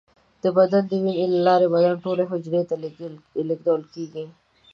د وینې له لارې د بدن ټولو حجراتو ته لیږدول کېږي.